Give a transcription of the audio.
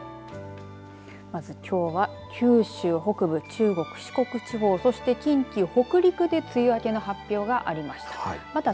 まず、きょうは九州北部中国、四国地方そして近畿、北陸で梅雨明けの発表がありました。